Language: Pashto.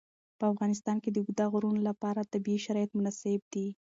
په افغانستان کې د اوږده غرونه لپاره طبیعي شرایط مناسب دي.